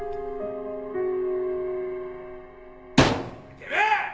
てめえ！